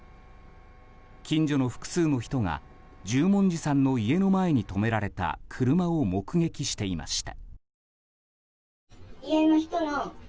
近所の複数の人が十文字さんの家の前に止められた車を目撃していました。